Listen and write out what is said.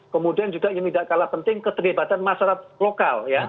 kemudian juga yang tidak kalah penting keterlibatan masyarakat lokal ya